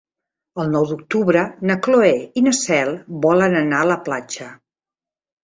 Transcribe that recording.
El nou d'octubre na Cloè i na Cel volen anar a la platja.